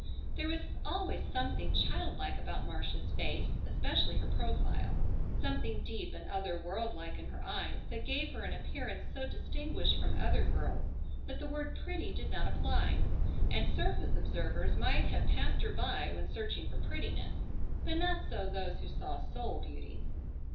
There was always something child like about Marcia's face, especially her profile, something deep and other world like in her eyes, that gave her an appearance so distinguished from other girls that the word "pretty" did not apply, and surface observers might have passed her by when searching for prettiness, but not so those who saw soul beauties.